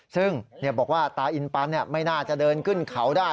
ซึ่งบอกว่าตาอินปันไม่น่าจะเดินขึ้นเขาได้